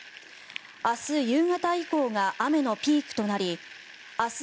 明日夕方以降が雨のピークとなり明日